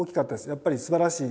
やっぱりすばらしい。